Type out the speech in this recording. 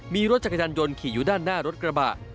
มีรถจักรยานยนต์ขี่อยู่ด้านหน้ารถกระบะ